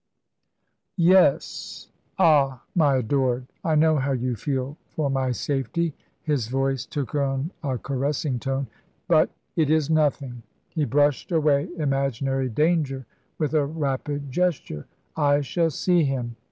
"Yes. Ah, my adored, I know how you feel for my safety"; his voice took on a caressing tone. "But it is nothing"; he brushed away imaginary danger with a rapid gesture. "I shall see him.